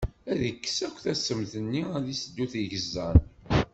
Ad d-ikkes akk tassemt-nni, ad d-iseddu tigeẓẓal.